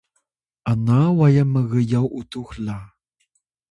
ana wayan mg’yaw utux la